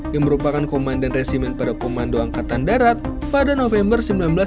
yang merupakan komandan resimen pada komando angkatan darat pada november seribu sembilan ratus sembilan puluh